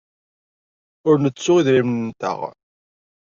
Ur nettu idrimen-nteɣ.